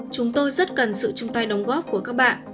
chúng tôi rất cần sự chung tay đóng góp của các bạn